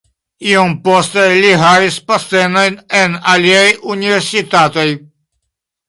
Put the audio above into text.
Iom poste li havis postenojn en aliaj universitatoj.